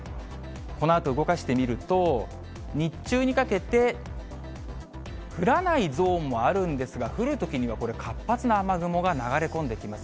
このあと動かしてみると、日中にかけて、降らないゾーンもあるんですが、降るときにはこれ、活発な雨雲が流れ込んできます。